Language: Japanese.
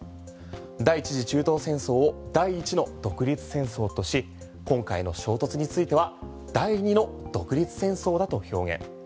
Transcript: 第１次中東戦争を第１の独立戦争とし今回の衝突については第２の独立戦争だと表現。